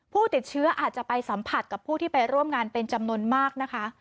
ผู้ติดเชื้ออาจจะไปสัมผัสกับผู้ที่ไปร่วมงานเป็นจำนวนมากนะคะ